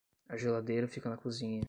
A geladeira fica na cozinha.